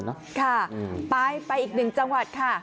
คมครับไปอีกหนึ่งจังหวัดคะ